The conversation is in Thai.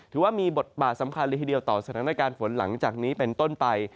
ถือว่ามีบทบาทสำคัญเลยทีเดียวต่อสถานการณ์ฝนหลังจากนี้เป็นต้นไป